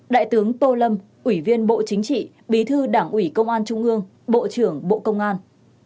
đại tướng tô lâm ủy viên bộ chính trị bí thư đảng ủy công an trung ương bộ trưởng bộ công an